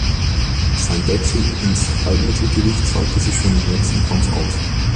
Sein Wechsel ins Halbmittelgewicht zahlte sich schon im nächsten Kampf aus.